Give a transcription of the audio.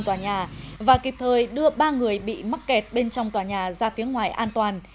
tòa nhà và kịp thời đưa ba người bị mắc kẹt bên trong tòa nhà ra phía ngoài an toàn